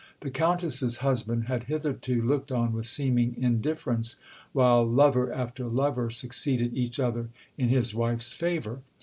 The Countess's husband had hitherto looked on with seeming indifference, while lover after lover succeeded each other in his wife's favour.